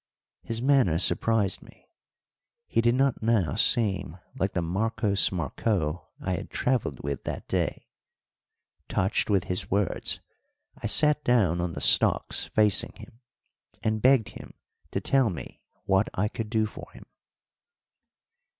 His manner surprised me; he did not now seem like the Marcos Marcó I had travelled with that day. Touched with his words, I sat down on the stocks facing him, and begged him to tell me what I could do for him.